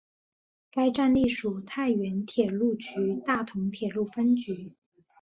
该站隶属太原铁路局大同铁路分局。